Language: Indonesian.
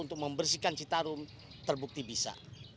untuk membersihkan citarum terbukti bisa